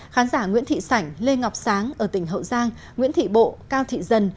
khán giả nguyễn thị sảnh lê ngọc sáng ở tỉnh hậu giang nguyễn thị bộ cao thị dần